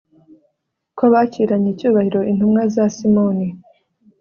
ko bakiranye icyubahiro intumwa za simoni